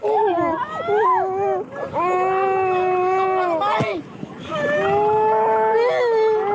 อย่าหยุดผิวร้าย